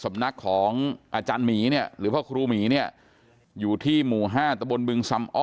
สำนักของอาจารย์หมีเนี่ยหรือพ่อครูหมีเนี่ยอยู่ที่หมู่๕ตะบนบึงสำอ้อ